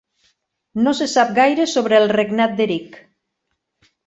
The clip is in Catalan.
No se sap gaire sobre el regnat d'Erik.